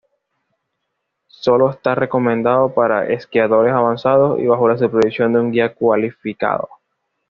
Solo está recomendado para esquiadores avanzados y bajo la supervisión de un guía cualificado.